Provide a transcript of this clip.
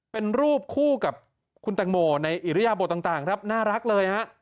เป็นรูปคู่กับคุณตังโมในอิริยบทต่างครับน่ารักเลยฮะ